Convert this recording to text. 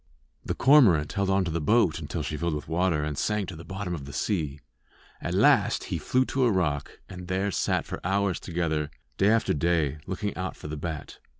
The cormorant held on to the boat until she filled with water and sank to the bottom of the sea. At last he flew to a rock, and there sat for hours together, day after day, looking out for the bat.